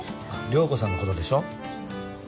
遼子さんのことでしょ？